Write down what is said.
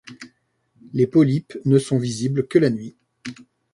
Les polypes ne sont visibles que la nuit.